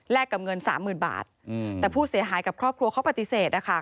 กับเงินสามหมื่นบาทแต่ผู้เสียหายกับครอบครัวเขาปฏิเสธนะคะ